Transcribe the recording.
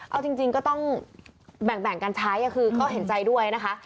เอาจริงก็ต้องแบ่งกันใช้คือก็เห็นใจด้วยนะคะ